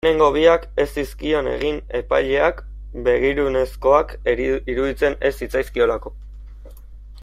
Lehenengo biak ez zizkion egin epaileak, begirunezkoak iruditzen ez zitzaizkiolako.